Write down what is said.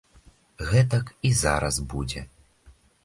Гэтак і зараз будзе.